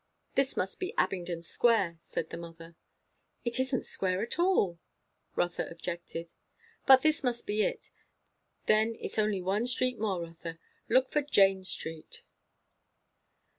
"This must be Abingdon Square," said the mother. "It isn't square at all," Rotha objected. "But this must be it. Then it's only one street more, Rotha. Look for Jane Street."